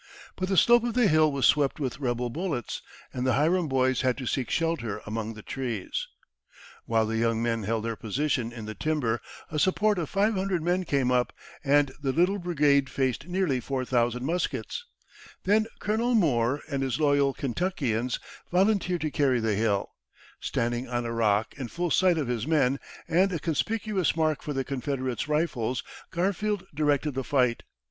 But the slope of the hill was swept with rebel bullets, and the Hiram boys had to seek shelter among the trees. [Illustration: Garfield and his regiment going into action.] While the young men held their position in the timber, a support of 500 men came up, and the little brigade faced nearly 4000 muskets. Then Colonel Moore and his loyal Kentuckians volunteered to carry the hill. Standing on a rock in full sight of his men, and a conspicuous mark for the Confederates' rifles, Garfield directed the fight.